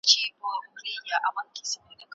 که خدای کول وخت به مې راشي